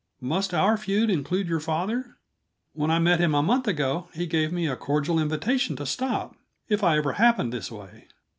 "Must our feud include your father? When I met him a month ago, he gave me a cordial invitation to stop, if I ever happened this way."